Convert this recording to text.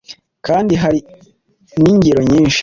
kandi hari n’ingero nyinshi